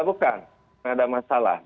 bukan ada masalah